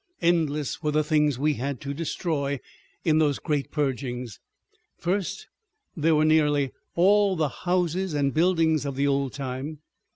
Endless were the things we had to destroy in those great purgings. First, there were nearly all the houses and buildings of the old time.